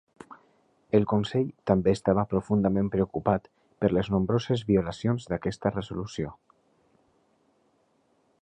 El Consell també estava profundament preocupat per les nombroses violacions d'aquesta resolució.